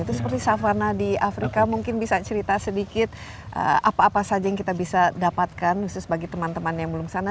itu seperti savana di afrika mungkin bisa cerita sedikit apa apa saja yang kita bisa dapatkan khusus bagi teman teman yang belum sana